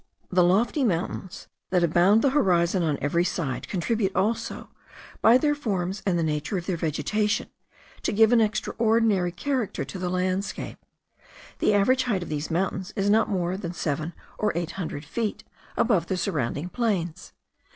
The lofty mountains that bound the horizon on every side, contribute also, by their forms and the nature of their vegetation, to give an extraordinary character to the landscape. The average height of these mountains is not more than seven or eight hundred feet above the surrounding plains.